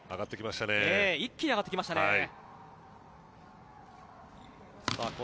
上がってきましたね。